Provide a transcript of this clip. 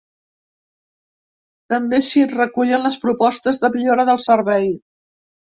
També s’hi recullen les propostes de millora del servei.